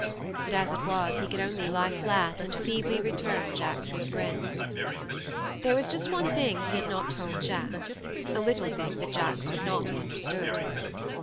But as it was he could only lie flat and feebly return Jacks's grin. ... There was just one thing he had not told Jacks: a little thing that Jacks would not have understood.